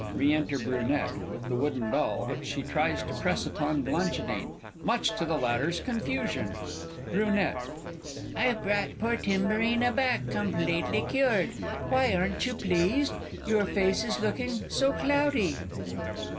Re enter BRUNETTE with the wooden doll, which she tries to press upon BLANCHIDINE, much to the latter's confusion. Br. I've brought poor Timburina back, completely cured! Why, aren't you pleased? Your face is looking so cloudy!